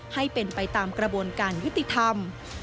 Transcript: ให้เป็นไปตามกระบวนการยุติธรรม